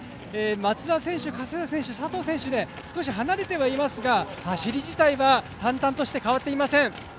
松田選手、加世田選手、佐藤選手、少し離れてはいますが走り自体は淡々として変わっていません。